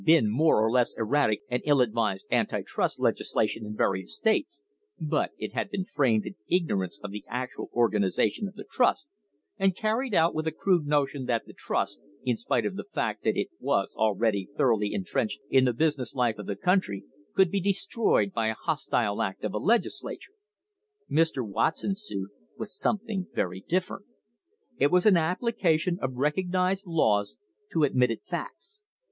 There had been already more or less erratic and ill advised anti trust legislation in various states, but it had been framed in igno rance of the actual organisation of the trust, and carried out with a crude notion that the trust, in spite of the fact that it was already thoroughly intrenched in the business life of the country, could be destroyed by a hostile act of a Legislature. Mr. Watson's suit was something very different. It was an application of recognised laws to admitted facts.